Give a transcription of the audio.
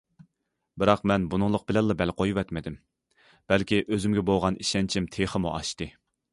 بىراق مەن بۇنىڭلىق بىلەنلا بەل قويۇۋەتمىدىم، بەلكى ئۆزۈمگە بولغان ئىشەنچىم تېخىمۇ ئاشتى.